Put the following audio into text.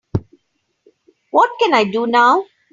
what can I do now?